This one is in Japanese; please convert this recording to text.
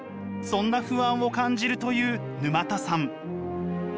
そんな不安を感じるという沼田さん。